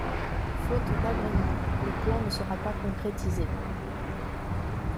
Faute d'agrément, le plan ne sera pas concrétisé.